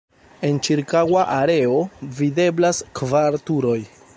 En ĉirkaŭa areo videblas kvar turoj.